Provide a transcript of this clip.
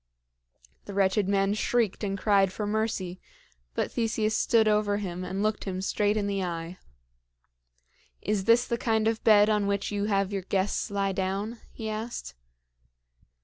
The wretched man shrieked and cried for mercy; but Theseus stood over him and looked him straight in the eye. "Is this the kind of bed on which you have your guests lie down?" he asked.